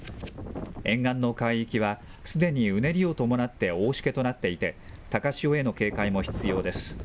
沿岸の海域はすでにうねりを伴って大しけとなっていて、高潮への警戒も必要です。